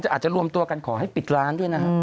อาจจะรวมตัวกันขอให้ปิดร้านด้วยนะฮะ